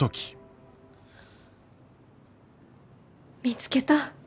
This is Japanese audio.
見つけた。